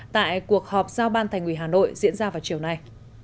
tại cuộc họp giao ban thành ủy hà nội diễn ra vào chiều nay